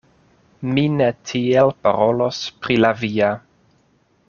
Mi ne tiel parolos pri la via.